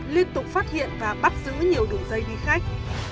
liên tục phát hiện và bắt giữ nhiều đường dây đi khách